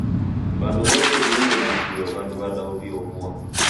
W'andu w'ose w'ienda nakio W'andu w'adaw'iobua.